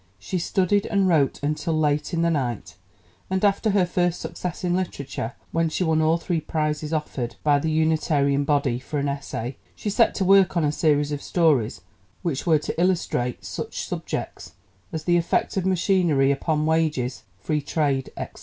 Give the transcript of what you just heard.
She studied and wrote until late in the night, and after her first success in literature, when she won all three prizes offered by the Unitarian body for an essay, she set to work on a series of stories which were to illustrate such subjects as the effect of machinery upon wages, free trade, etc.